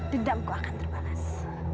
dendamku akan terbalas